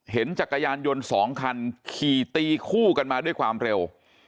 จักรยานยนต์๒คันขี่ตีคู่กันมาด้วยความเร็ว